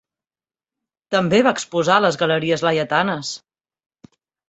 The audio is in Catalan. També va exposar a les Galeries Laietanes.